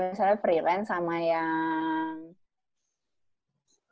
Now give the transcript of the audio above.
misalnya freelance sama yang